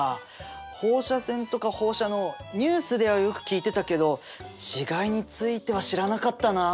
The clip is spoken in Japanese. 放射線とか放射能ニュースではよく聞いてたけど違いについては知らなかったなあ。